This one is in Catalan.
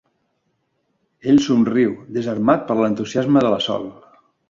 Ell somriu, desarmat per l'entusiasme de la Sol.